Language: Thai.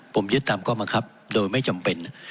ผมยึดตามข้อบังคับโดยไม่จำเป็น